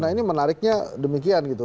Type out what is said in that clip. nah ini menariknya demikian gitu